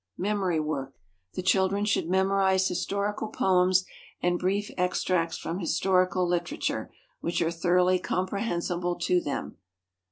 Memory work. The children should memorize historical poems and brief extracts from historical literature, which are thoroughly comprehensible to them.